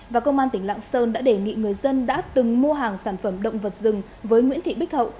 và công an tỉnh lạng sơn đã đề nghị người dân đã từng mua hàng sản phẩm động vật rừng với nguyễn thị bích hậu